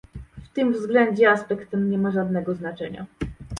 W tym względzie aspekt ten nie ma żadnego znaczenia